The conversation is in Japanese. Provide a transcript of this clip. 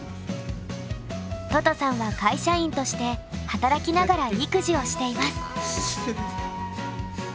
ととさんは会社員として働きながら育児をしています。